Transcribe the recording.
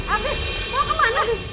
afif mau kemana